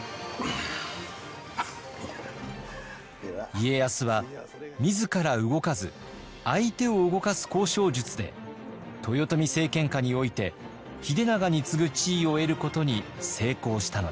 家康は自ら動かず相手を動かす交渉術で豊臣政権下において秀長に次ぐ地位を得ることに成功したのです。